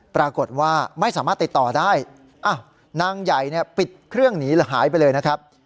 ปรากฏว่าไม่สามารถติดต่อได้นางใหญ่เนี่ยปิดเครื่องหนีหรือหายไปเลยนะครับ